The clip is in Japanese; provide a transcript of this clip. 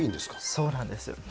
そうなんです。